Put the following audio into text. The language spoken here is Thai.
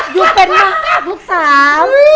อยู่เป็นรักทุกสาม